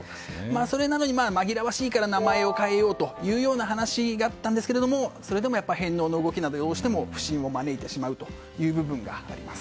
それなのに紛らわしいから名前を変えようという話でしたがそれでもやっぱり返納の動きなどでどうしても不信を招いてしまう部分があります。